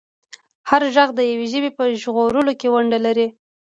هر غږ د یوې ژبې په ژغورلو کې ونډه لري.